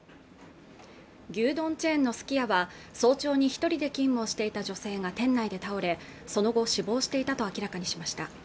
牛丼チェーンのすき家は早朝に一人で勤務していた女性が店内で倒れその後死亡していたと明らかにしました